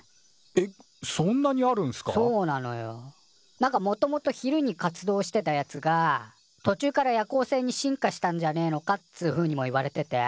なんかもともと昼に活動してたやつがとちゅうから夜行性に進化したんじゃねえのかっつうふうにもいわれてて。